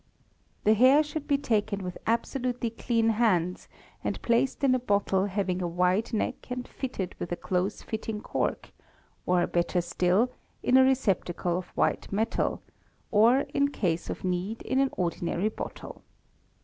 The hair should be taken with abso lutely clean hands and placed in a bottle having a wide neck and fitted with a close fitting cork, or better still, in a receptacle of white metal, or in case of need in an ordinary bottle.